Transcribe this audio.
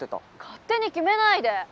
勝手に決めないで。